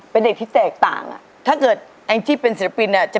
เพราะว่าเพราะว่าเพราะว่าเพราะ